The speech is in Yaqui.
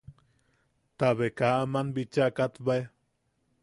Tabe ka aman bicha katbae.